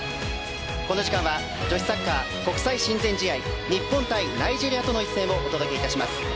この時間は女子サッカー国際親善試合日本対ナイジェリアの一戦をお届けします。